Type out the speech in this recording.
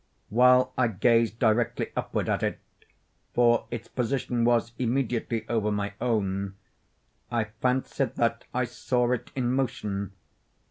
While I gazed directly upward at it (for its position was immediately over my own) I fancied that I saw it in motion.